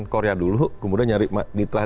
korea dulu kemudian ditelah